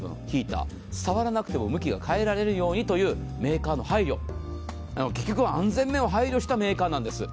触らなくても向きが変えられるようにというメーカーの配慮、安全面を配慮したメーカーなんです。